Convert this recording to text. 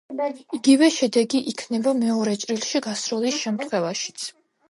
იგივე შედეგი იქნება მეორე ჭრილში გასროლის შემთხვევაშიც.